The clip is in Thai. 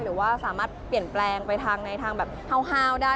หรือว่าสามารถเปลี่ยนแปลงไปทางทางเฮาได้